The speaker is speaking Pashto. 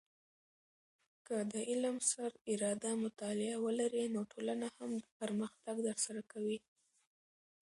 که د علم سر اراده مطالعه ولرې، نو ټولنه هم پرمختګ در سره کوي.